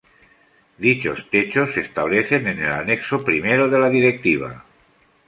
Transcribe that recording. Dichos techos se establecen en el Anexo I de la Directiva.